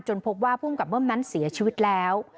พบว่าภูมิกับเบิ้มนั้นเสียชีวิตแล้ว